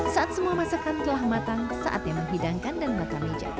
saat semua masakan telah matang saat yang menghidangkan dan meletak meja